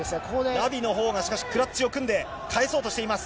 ラビのほうがしかし、クラッチを組んで、返そうとしています。